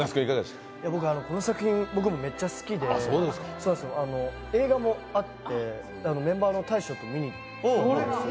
この作品、僕もめっちゃ好きで、映画もあってメンバーの大昇と見に行ったんですよ。